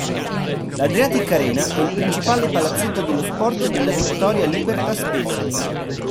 L'Adriatic Arena è il principale palazzetto dello sport della Victoria Libertas Pesaro.